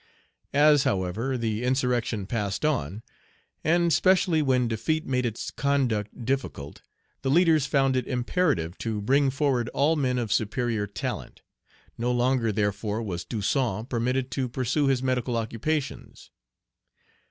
As, however, the insurrection passed on, and specially when defeat made its conduct difficult, the leaders found it imperative to bring forward all men of superior talent. No longer, therefore, was Toussaint permitted to pursue his medical occupations.